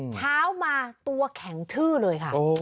เช้ามาตัวแข็งชื่อเลยค่ะ